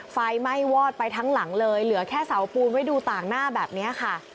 ไฟไหม้วอดไปทั้งหลังเลยเหลือแค่เสาปูนไว้ดูต่างหน้าแบบนี้ค่ะ